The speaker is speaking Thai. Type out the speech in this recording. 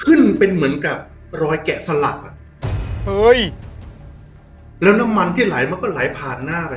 ขึ้นเป็นเหมือนกับรอยแกะสลักอ่ะเฮ้ยแล้วน้ำมันที่ไหลมันก็ไหลผ่านหน้าไป